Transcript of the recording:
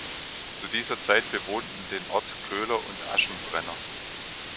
Zu dieser Zeit bewohnten den Ort Köhler und Aschenbrenner.